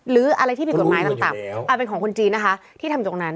หรืออะไรที่ผิดกฎหมายต่างเป็นของคนจีนนะคะที่ทำตรงนั้น